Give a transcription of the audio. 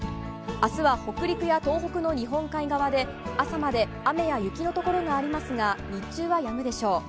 明日は北陸や東北の日本海側で朝まで雨や雪のところがありますが日中はやむでしょう。